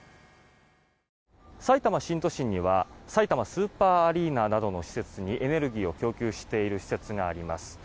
さいたま新都心にはさいたまスーパーアリーナなどの施設にエネルギーを供給している施設があります。